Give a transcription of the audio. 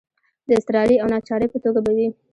د اضطراري او ناچارۍ په توګه به وي.